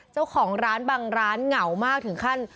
เจ้าของร้านบางร้านเหงามากถึงขั้น